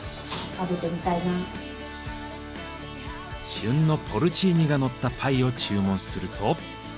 旬のポルチーニがのったパイを注文すると。